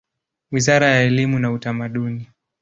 Wizara ya elimu na Utamaduni.